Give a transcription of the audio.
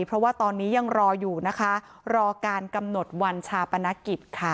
เพราะว่าตอนนี้ยังรออยู่นะคะรอการกำหนดวันชาปนกิจค่ะ